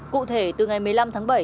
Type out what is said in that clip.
cụ thể từ ngày một mươi năm tháng bảy